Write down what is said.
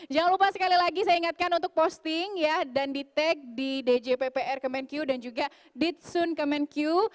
jangan lupa sekali lagi saya ingatkan untuk posting ya dan di tag di djppr kemenq dan juga ditsun kemenq